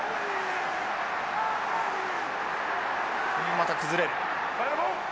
また崩れる。